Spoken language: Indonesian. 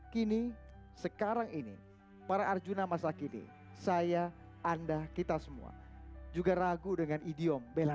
kini sekarang ini para arjuna masa kini saya anda kita semua juga ragu dengan idiom bella